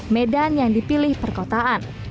medan yang dipilih perkotaan